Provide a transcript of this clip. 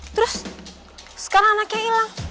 terus sekarang anaknya hilang